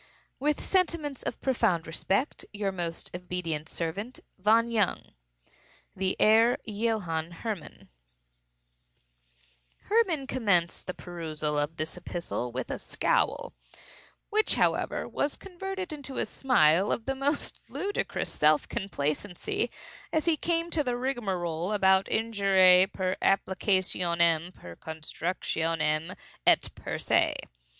"With sentiments of profound respect, "Your most obedient servant, "VON JUNG." "The Herr Johann Hermann, August 18th, 18—" Hermann commenced the perusal of this epistle with a scowl, which, however, was converted into a smile of the most ludicrous self complacency as he came to the rigmarole about Injuriae per applicationem, per constructionem, et per se.